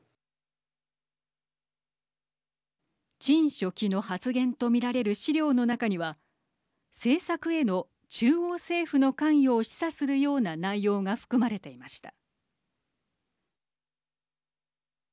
陳書記の発言とみられる資料の中には政策への中央政府の関与を示唆するような内容が含まれていました。